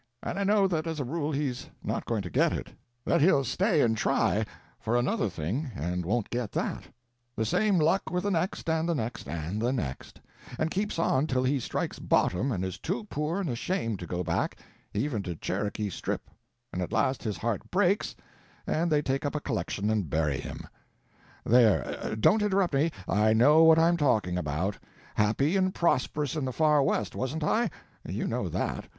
And I know that as a rule he's not going to get it; that he'll stay and try—for another thing and won't get that; the same luck with the next and the next and the next; and keeps on till he strikes bottom, and is too poor and ashamed to go back, even to Cherokee Strip; and at last his heart breaks—and they take up a collection and bury him. There—don't interrupt me, I know what I'm talking about. Happy and prosperous in the Far West wasn't I? You know that.